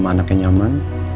aku mau ke sekolah